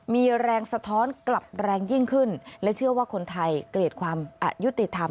มีแรงสะท้อนกลับแรงยิ่งขึ้นและเชื่อว่าคนไทยเกลียดความอายุติธรรม